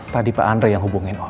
tadi pak andre yang hubungin